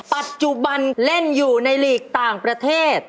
ปัจจุบันเล่นอยู่ในหลีกต่างประเทศ